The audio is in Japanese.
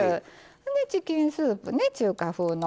チキンスープね中華風の。